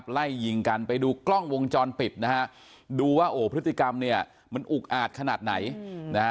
ไล่ยิงกันไปดูกล้องวงจรปิดดูว่าพฤติกรรมมันอุกอาจขนาดไหน